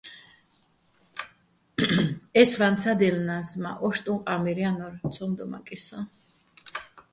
ე́ჲსვაჼ ცადჲელნა́ს, მა́ ო́შტუჼ ყამირ ჲანო́რ, ცო́მ დომაკიჼ სოჼ.